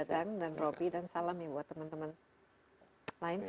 dadang dan robby dan salam ya buat teman teman lain